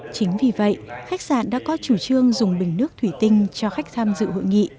chính vì vậy khách sạn đã có chủ trương dùng bình nước thủy tinh cho khách tham dự hội nghị